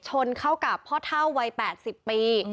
ชนเข้ากับพ่อเท่าวัย๘๐ปี